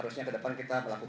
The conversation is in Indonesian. dan itu akan berapa